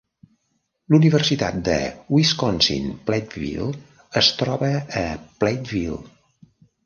La Universitat de Wisconsin-Platteville es troba a Platteville.